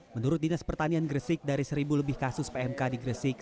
menurut dinas pertanian gresik dari seribu lebih kasus pmk di gresik